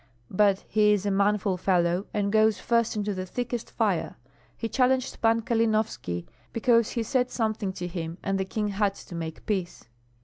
But he is a manful fellow, and goes first into the thickest fire. He challenged Pan Kalinovski because he said something to him, and the king had to make peace."